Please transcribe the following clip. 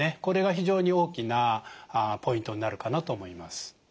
これが非常に大きなポイントになるかなと思います。